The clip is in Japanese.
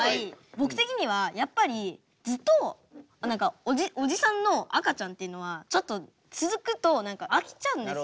僕的にはやっぱりずっとおじさんの赤ちゃんっていうのはちょっと続くと飽きちゃうんですよ。